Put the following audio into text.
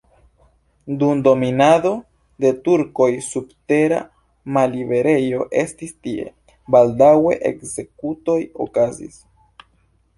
Dum dominado de turkoj subtera malliberejo estis tie, baldaŭe ekzekutoj okazis.